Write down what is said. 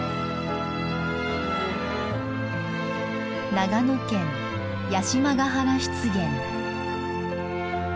長野県八島ヶ原湿原。